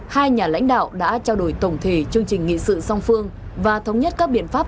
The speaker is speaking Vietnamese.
hai nhà lãnh đạo đã trao đổi tổng thể chương trình nghị sự song phương và thống nhất các biện pháp